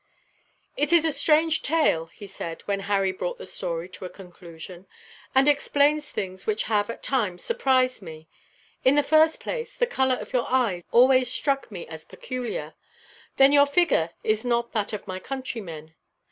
"It is a strange tale," he said, when Harry brought the story to a conclusion, "and explains things which have, at times, surprised me. In the first place, the colour of your eyes always struck me as peculiar. Then your figure is not that of my countrymen.